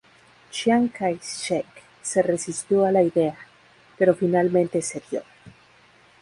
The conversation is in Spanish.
Chiang Kai-shek se resistió a la idea, pero finalmente cedió.